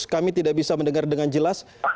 kami tidak bisa mendengar dengan jelas